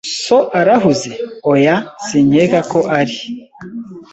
"So arahuze?" "Oya, sinkeka ko ari."